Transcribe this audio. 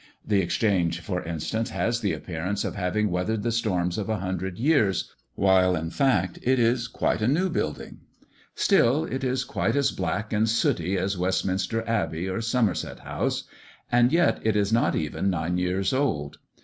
The Exchange, for instance, has the appearance of having weathered the storms of a hundred winters, while, in fact, it is quite a new building. Still, it is quite as black and sooty as Westminster Abbey, or Somerset House; and yet it is not even nine years old.